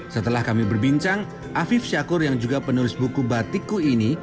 setelah kami berbincang afif syakur yang juga penulis buku batikku ini